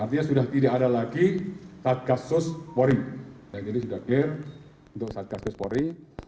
artinya sudah tidak ada lagi satgasus merah putih